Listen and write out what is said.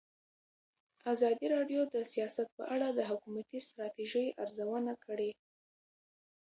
ازادي راډیو د سیاست په اړه د حکومتي ستراتیژۍ ارزونه کړې.